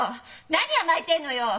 何甘えてんのよ。